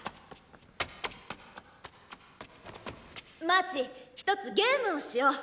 マーチひとつゲームをしよう。